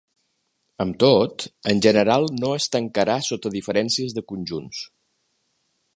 Amb tot, en general no es tancarà sota diferències de conjunts.